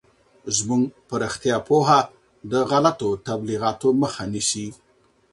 زموږ په رشتیا پوهه د غلطو تبلیغاتو مخه نیسي.